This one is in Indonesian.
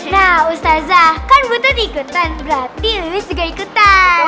nah ustazah kan butet ikutan berarti lelis juga ikutan